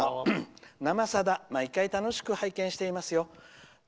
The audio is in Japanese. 「生さだ」毎回楽しく拝見していますよ。